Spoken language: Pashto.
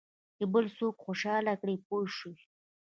چې بل څوک خوشاله کړې پوه شوې!.